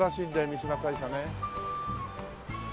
三嶋大社ね。